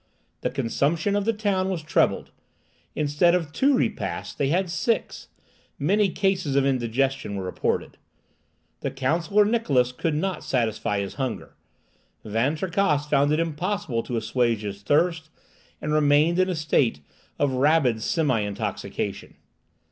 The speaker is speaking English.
The consumption of the town was trebled. Instead of two repasts they had six. Many cases of indigestion were reported. The Counsellor Niklausse could not satisfy his hunger. Van Tricasse found it impossible to assuage his thirst, and remained in a state of rabid semi intoxication.